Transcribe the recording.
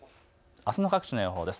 あすの各地の予報です。